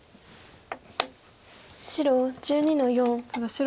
白１２の四オシ。